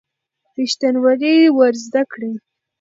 ریښتینولي ور زده کړئ.